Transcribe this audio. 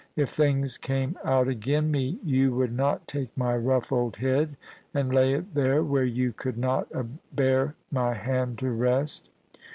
... If things came out agen me you would not take my rough old head and lay it there, where you could not abear my hand to rest